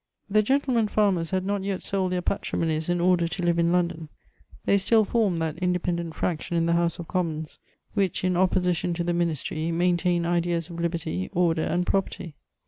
The gentlemen farmers had not yet sold their patrimonies in order to live in London ; they stul formed that independent fraction in the House of Commons, which, in opposition to the ministry, maintained ideas of liberty, order, and property.